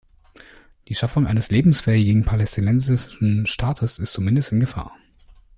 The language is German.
Die Schaffung eines lebensfähigen palästinensischen Staates ist zumindest in Gefahr.